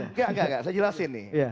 nggak nggak saya jelasin nih